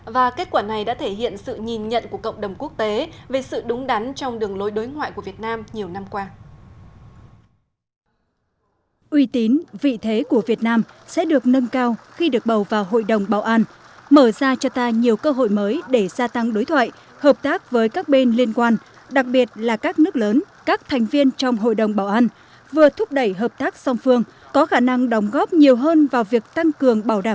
và kết quả này đã thể hiện sự nhìn nhận của cộng đồng quốc tế về sự đúng đắn trong đường lối đối ngoại của việt nam nhiều năm qua